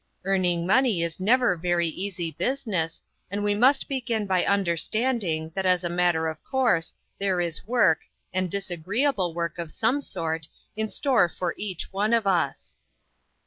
Earning money is never very easy business, and we must begin by understanding, that as a matter of course, there is work, and disagreeable work, of some sort, in store for each one of us."